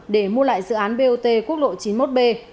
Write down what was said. để mua lại dự án bot quốc lộ chín mươi một b